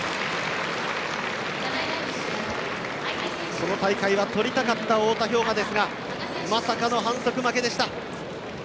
この大会とりたかった太田彪雅ですがまさかの反則負けでした。